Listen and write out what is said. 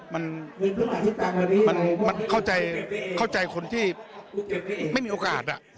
มันเข้าใจคนที่ไม่มีโอกาส